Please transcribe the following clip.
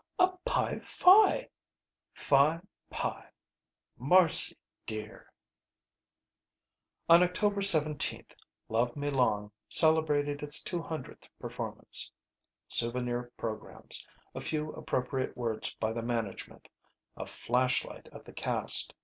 "A Pi Phi." "Phi pie Marcy dear "On October 17th "Love Me Long" celebrated its two hundredth performance. Souvenir programs. A few appropriate words by the management. A flashlight of the cast.